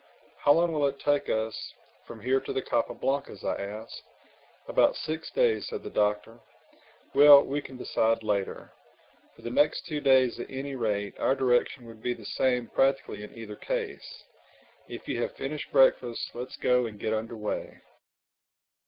"How long will it take us from here to the Capa Blancas?" I asked. "About six days," said the Doctor—"Well, we can decide later. For the next two days at any rate our direction would be the same practically in either case. If you have finished breakfast let's go and get under way."